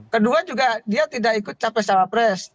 kedua juga dia tidak ikut capai salah pres